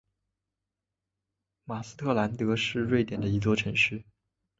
马斯特兰德是瑞典的一座城市。